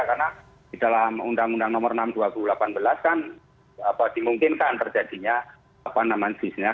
karena di dalam undang undang nomor enam dua ribu delapan belas kan dimungkinkan terjadinya karantina